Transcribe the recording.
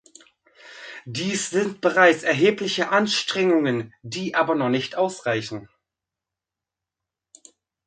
Dies sind bereits erhebliche Anstrengungen, die aber noch nicht ausreichen.